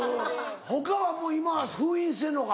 他はもう今は封印してるのか。